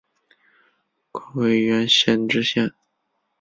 官婺源县知县。